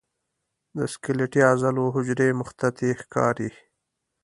د سکلیټي عضلو حجرې مخططې ښکاري.